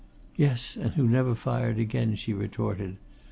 "Yes and who never fired again," she retorted.